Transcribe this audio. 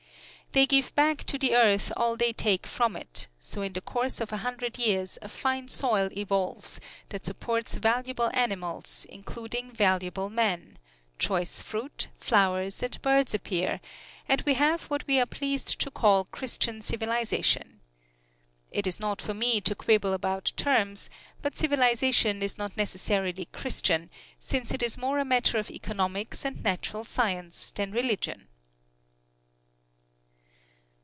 "They give back to the earth all that they take from it, so in the course of a hundred years a fine soil evolves that supports valuable animals, including valuable men; choice fruit, flowers and birds appear, and we have what we are pleased to call Christian civilization. It is not for me to quibble about terms, but civilization is not necessarily Christian, since it is more a matter of economics and natural science than religion."